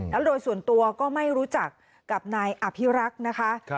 แล้วโดยส่วนตัวก็ไม่รู้จักกับนายอภิรักษ์นะคะ